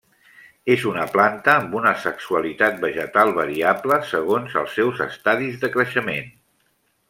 És una planta amb una sexualitat vegetal variable segons els seus estadis de creixement.